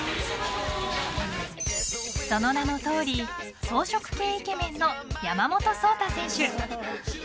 その名のとおり草食系イケメンの山本草太選手。